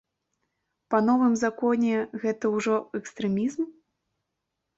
Па новым законе гэта ўжо экстрэмізм?